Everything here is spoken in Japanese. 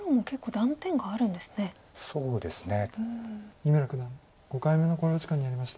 三村九段５回目の考慮時間に入りました。